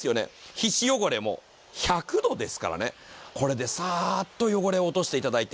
皮脂汚れも１００度ですからね、これでサーッと汚れを落としていただいて。